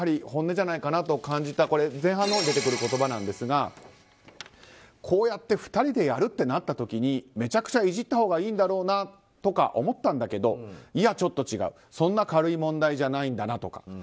本音じゃないかなと感じた前半のほうに出てくる言葉なんですがこうやって２人でやるってなった時にめちゃくちゃいじったほうがいいんだろうなとか思ったんだけどいやちょっと違うそんな軽い問題じゃないんだなとか。